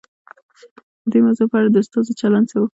د دې موضوع په اړه د استازو چلند څه و؟